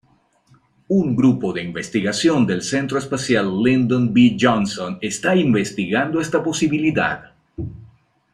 Un grupo de investigación del Centro Espacial Lyndon B. Johnson está investigando esta posibilidad.